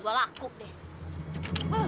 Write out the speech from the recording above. kamu betul betul suka sama adrian